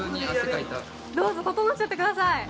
どうぞととのっちゃってください。